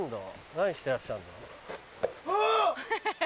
何してらっしゃるんだ？